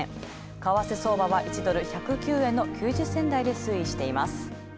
為替相場は１ドル１０９円の９０銭台で推移しています。